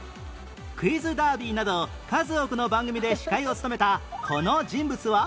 『クイズダービー』など数多くの番組で司会を務めたこの人物は？